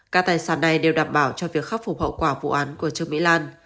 các tài sản này đều đảm bảo cho việc khắc phục hậu quả vụ án của trương mỹ lan